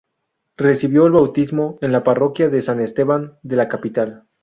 Recibió el bautismo en la parroquia de San Esteban de la capital.